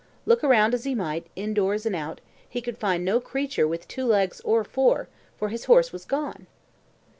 Look around as he might, indoors and out, he could find no creature with two legs or four, for his horse was gone.